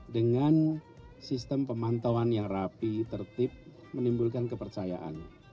dengan sistem pemantauan yang rapi tertib menimbulkan kepercayaan